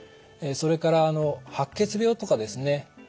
それから白血病とかですね